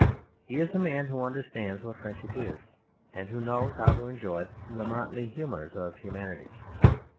He is a man who understands what friendship is, and who knows how to enjoy the motley humours of humanity.